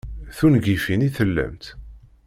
D tungifin i tellamt?